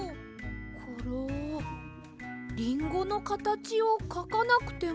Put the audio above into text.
コロリンゴのかたちをかかなくてもいいんですね。